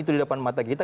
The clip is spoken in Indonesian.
di depan mata kita